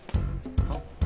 はっ？